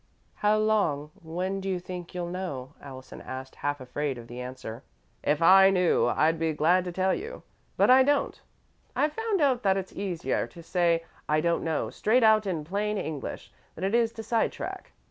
"How long when do you think you'll know?" Allison asked, half afraid of the answer. "If I knew, I'd be glad to tell you, but I don't. I've found out that it's easier to say 'I don't know' straight out in plain English than it is to side track.